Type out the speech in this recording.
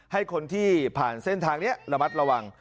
ให้คนที่ผ่านเส้นทางนี้ระมัดระวัง